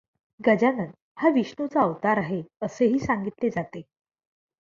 गजानन हा विष्णूचा अवतार आहे, असेही सांगितले जाते.